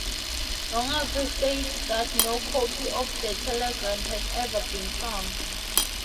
Longacre states that no copy of the telegram has ever been found.